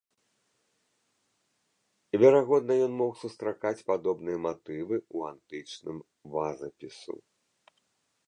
Верагодна, ён мог сустракаць падобныя матывы ў антычным вазапісу.